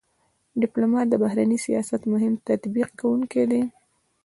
ډيپلومات د بهرني سیاست مهم تطبیق کوونکی دی.